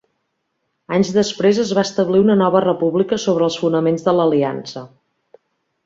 Anys després es va establir una Nova República sobre els fonaments de l'Aliança.